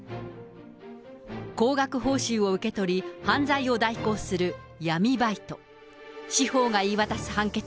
高額報酬を受け取り、犯罪を代行する闇バイト。